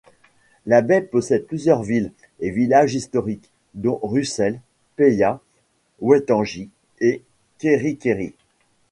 La baie possède plusieurs villes et villages historiques, dont Russell, Paihia, Waitangi et Kerikeri.